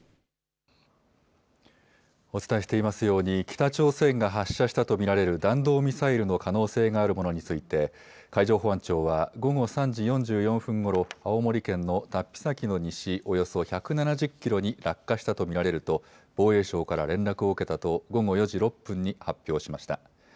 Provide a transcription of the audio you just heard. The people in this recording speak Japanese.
お伝えしていますように、北朝鮮が発射したと見られる弾道ミサイルの可能性があるものについて、海上保安庁は午後３時４４分ごろ、青森県の龍飛崎の西、およそ１７０キロに落下したと見られると、防衛省から連絡を受けたと、午後４時６分に発表しました。